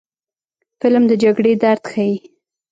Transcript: فلم د جګړې درد ښيي